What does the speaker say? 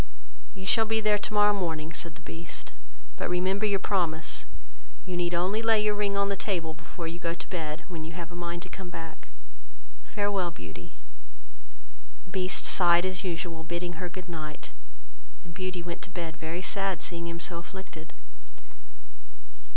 "You shall be there tomorrow morning, (said the Beast,) but remember your promise: you need only lay your ring on the table before you go to bed, when you have a mind to come back: farewell, Beauty." Beast sighed as usual, bidding her good night; and Beauty went to bed very sad at seeing him so afflicted.